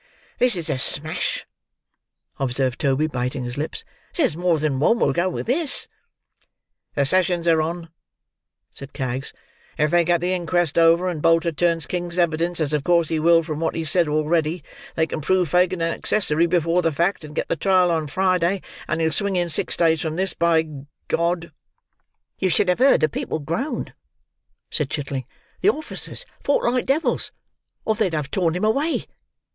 "This is a smash," observed Toby, biting his lips. "There's more than one will go with this." "The sessions are on," said Kags: "if they get the inquest over, and Bolter turns King's evidence: as of course he will, from what he's said already: they can prove Fagin an accessory before the fact, and get the trial on on Friday, and he'll swing in six days from this, by G—!" "You should have heard the people groan," said Chitling; "the officers fought like devils, or they'd have torn him away.